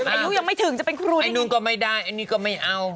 อายุยังไม่ถึงจะเป็นครูไอ้นู่นก็ไม่ได้อันนี้ก็ไม่เอา